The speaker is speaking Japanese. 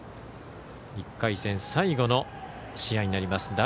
１回戦、最後の試合になります。